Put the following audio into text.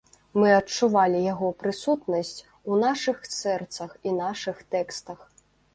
Мы адчувалі яго прысутнасць у нашых сэрцах і нашых тэкстах.